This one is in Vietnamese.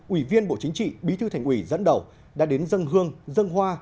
ủy viên bộ chính trị bí thư thành ủy dẫn đầu đã đến dâng hương dâng hoa